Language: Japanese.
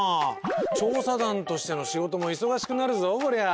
調査団としての仕事も忙しくなるぞこりゃあ。